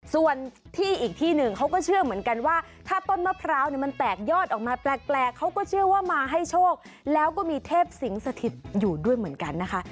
ส่วนที่อีกที่หนึ่งเขาก็เชื่อเหมือนกันว่าถ้าต้นมะพร้าวเนี่ยมันแตกยอดออกมาแปลกเขาก็เชื่อว่ามาให้โชคแล้วก็มีเทพสิงสถิตอยู่ด้วยเหมือนกันนะคะ